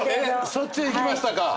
そっちへいきましたか。